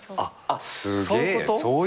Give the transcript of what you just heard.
あっそういうこと？